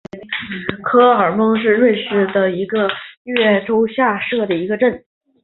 科尔翁是瑞士联邦西部法语区的沃州下设的一个镇。